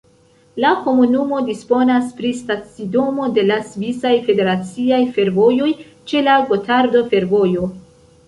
La komunumo disponas pri stacidomo de la Svisaj Federaciaj Fervojoj ĉe la Gotardo-Fervojo.